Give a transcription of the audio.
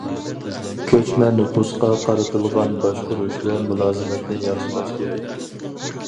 كۆچمە نوپۇسقا قارىتىلغان باشقۇرۇش ۋە مۇلازىمەتنى ياخشىلاش كېرەك.